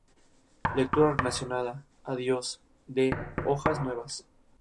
Lectura relacionada: "!Adiós¡", de "Hojas nuevas".